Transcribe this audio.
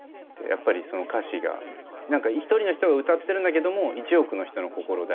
やっぱりその歌詞が何か一人の人が歌ってるんだけども１億の人の心を代弁しているような。